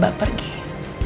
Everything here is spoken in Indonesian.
mbak akan mencari tahu